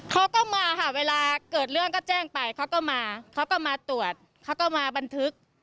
เขาก็มาค่ะเวลาเกิดเรื่องก็แจ้งไปเขาก็มาเขาก็มาตรวจเขาก็มาบันทึก